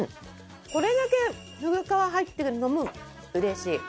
これだけフグ皮入ってるのもうれしい。